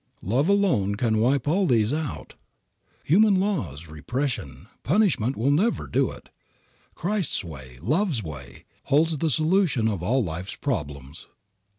Love alone can wipe all these out. Human laws, repression, punishment will never do it. Christ's way, Love's way, holds the solution of all life's problems.